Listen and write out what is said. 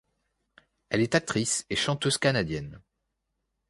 Elle est actrice et chanteuse canadienne.